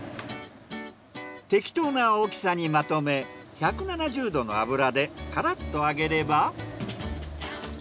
適当な大きさにまとめ１７０℃の油でカラッと揚げれば。